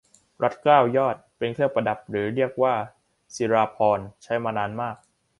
รัดเกล้ายอด เป็นเครื่องประดับ หรือเรียกว่าศิราภรณ์ ใช้มานานมาก